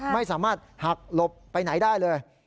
ไม่สามารถหักหลบไปไหนได้เลย